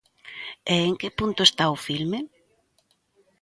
E en que punto está o filme?